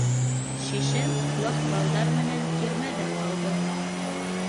Шишәм ваҡ балдар менән тирмәдә ҡалды.